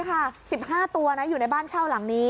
๑๕ตัวอยู่ในบ้านเช่าหลังนี้